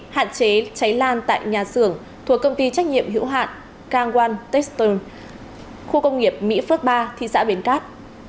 hạn chế cháy lan tại nhà xưởng thuộc công ty trách nhiệm hữu hạn kangwan texton khu công nghiệp mỹ phước ba thị xã bến cát